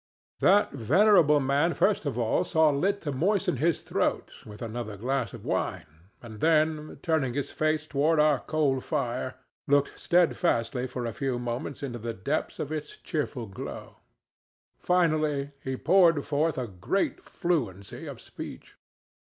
That venerable man first of all saw lit to moisten his throat with another glass of wine, and then, turning his face toward our coal fire, looked steadfastly for a few moments into the depths of its cheerful glow. Finally he poured forth a great fluency of speech.